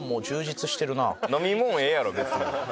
飲み物ええやろ別に。